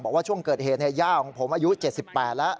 บอกว่าช่วงเกิดเหตุย่าของผมอายุ๗๘แล้ว